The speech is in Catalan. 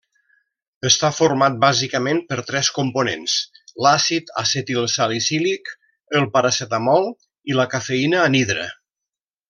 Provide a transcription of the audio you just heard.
Està format bàsicament per tres components: l'àcid acetilsalicílic, el paracetamol i la cafeïna anhidra.